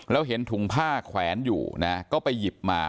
แล้วเห็นถุงผ้าแขวนอยู่นะก็ไปหยิบมา